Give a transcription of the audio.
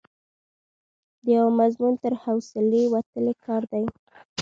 د یوه مضمون تر حوصلې وتلی کار دی.